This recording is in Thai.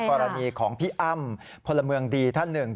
กรณีของพี่อ้ำพลเมืองดีท่านหนึ่ง